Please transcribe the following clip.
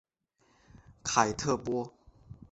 凯特波。